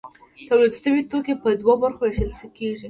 تولید شوي توکي په دوو برخو ویشل کیږي.